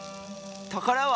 たからは？